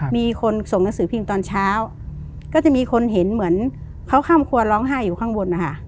มีคนส่งหนังสือพิมพ์ตอนเช้าก็จะมีคนเห็นเหมือนเขาข้ามครัวร้องไห้อยู่ข้างบนนะคะ